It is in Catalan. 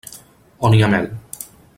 On hi ha mel.